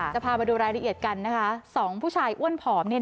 จะพามาดูรายละเอียดกันนะคะ๒ผู้ชายอ้วนผอม